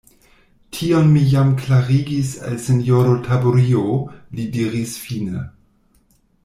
Tion mi jam klarigis al sinjoro Taburio, li diris fine.